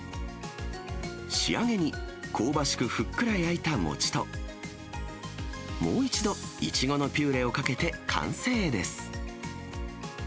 仕上げに、香ばしくふっくら焼いた餅と、もう一度、イチゴのピューレをかけて完成です。